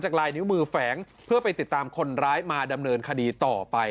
ลายนิ้วมือแฝงเพื่อไปติดตามคนร้ายมาดำเนินคดีต่อไป